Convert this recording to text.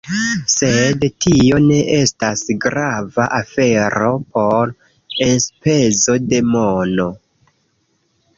Sed tio ne estas grava afero por enspezo de mono